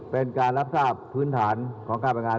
เป็นการรับทราบพื้นฐานของการประกัน